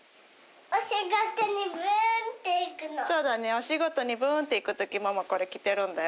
お仕事にぶん！って行く時ママこれ着てるんだよね。